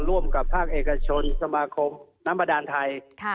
ร่วมกับภาคเอกชนสมาคมน้ำบาดานไทย